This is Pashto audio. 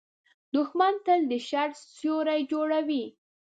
دښمن تل د شر سیوری جوړوي